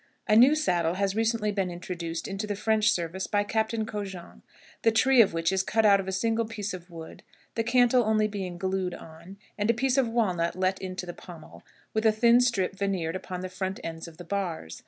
A new saddle has recently been introduced into the French service by Captain Cogent, the tree of which is cut out of a single piece of wood, the cantle only being glued on, and a piece of walnut let into the pommel, with a thin strip veneered upon the front ends of the bars.